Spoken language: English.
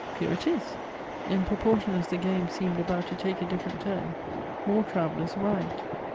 Here it is! In proportion as the game seemed about to take a different turn, more travellers arrived.